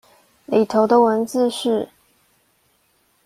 裡頭的文字是